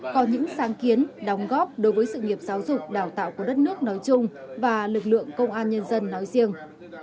có những sáng kiến đóng góp đối với sự nghiệp giáo dục đào tạo của đất nước nói chung và lực lượng công an nhân dân nói riêng